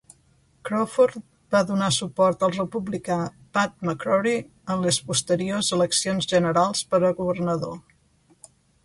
Crawford va donar suport al republicà Pat McCrory en les posteriors eleccions generals per a governador.